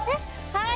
はい。